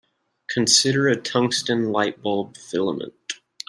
Consider a tungsten light-bulb filament.